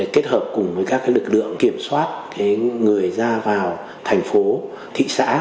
kết hợp cùng với các lực lượng kiểm soát người ra vào thành phố thị xã